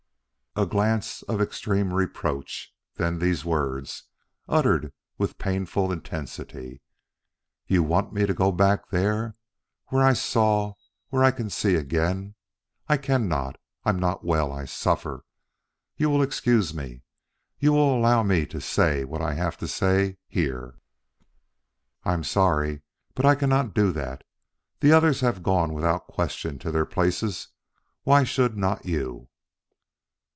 A glance of extreme reproach; then these words, uttered with painful intensity: "You want me to go back there where I saw where I can see again I cannot. I'm not well. I suffer. You will excuse me. You will allow me to say what I have to say, here." "I'm sorry, but I cannot do that. The others have gone without question to their places; why should not you?"